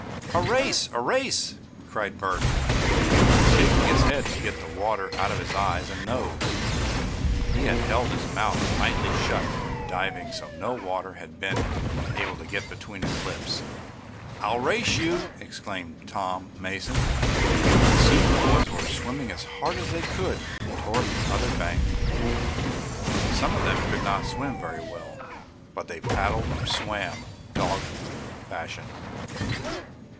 "A race! A race!" cried Bert, shaking his head to get the water out of his eyes and nose. He had held his mouth tightly shut when diving, so no water had been able to get between his lips. "I'll race you!" exclaimed Tom Mason, and soon the boys were swimming as hard as they could toward the other bank. Some of them could not swim very well, but they paddled, or swam "dog fashion."